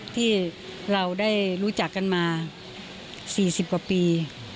ที่เราได้รู้จักกันมา๔๐กว่าปี